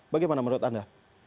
bagaimana menurut anda